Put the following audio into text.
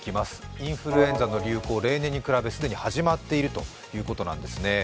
インフルエンザの流行、例年に比べ既に始まっているということですね。